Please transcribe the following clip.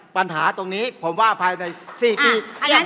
ปัญหาตรงนี้ผมว่าภายใน๔ปี